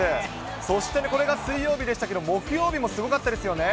そしてこれが水曜日でしたけども、木曜日もすごかったですよね。